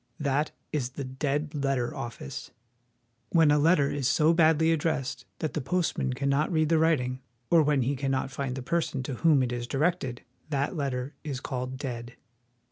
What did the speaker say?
That is the dead letter office. When a letter is so badly addressed that the postman cannot read the writing, or when he cannot find the person to whom it is directed, that letter is called dead.